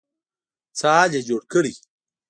څه حال يې جوړ کړی.